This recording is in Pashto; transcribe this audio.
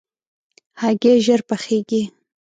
هګۍ ژر پخېږي.